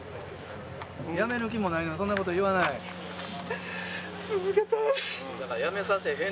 やめる気もないのにそんなこと言わへん。